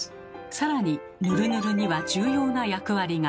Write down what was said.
更にヌルヌルには重要な役割が。